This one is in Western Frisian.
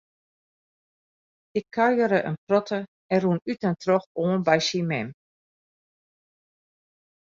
Ik kuiere in protte en rûn út en troch oan by syn mem.